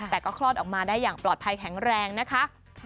แต่ก็คลอดออกมาได้อย่างปลอดภัยแข็งแรงนะคะ